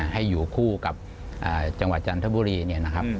ให้อยู่คู่กับจังหวัดจันทบุรี